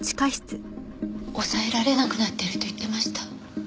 抑えられなくなってると言ってました。